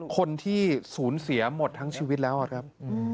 คนที่สูญเสียหมดทั้งชีวิตแล้วครับ